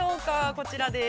こちらです。